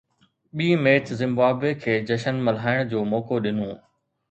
ٻئين match Zimbabwe کي جشن ملهائڻ جو موقعو ڏنو